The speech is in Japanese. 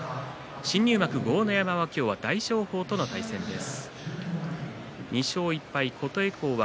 新入幕の豪ノ山は今日は大翔鵬との対戦です。